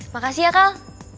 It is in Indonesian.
makasih ya kal